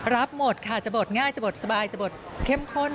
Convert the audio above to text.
รับหมดค่ะจะบดง่ายจะบทสบายจะบทเข้มข้น